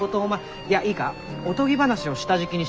いやいいかおとぎ話を下敷きにして。